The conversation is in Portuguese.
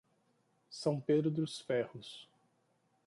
São Pedro dos Ferros